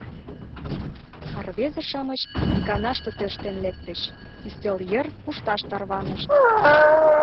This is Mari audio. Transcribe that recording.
А рвезе-шамыч иканаште тӧрштен лектыч, ӱстел йыр кушташ тарванышт.